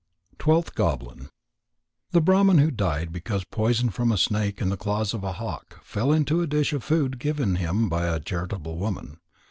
TWELFTH GOBLIN _The Brahman who died because Poison from a Snake in the Claws of a Hawk fell into a Dish of Food given him by a Charitable Woman.